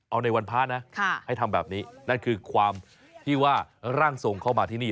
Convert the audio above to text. เอาในวันพระนะให้ทำแบบนี้นั่นคือความที่ว่าร่างทรงเข้ามาที่นี่